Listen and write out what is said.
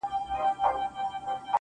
ه زه د دوو مئينو زړو بړاس يمه